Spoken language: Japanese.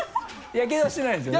ヤケドはしてないんですよね？